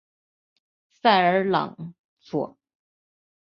塞尔朗索。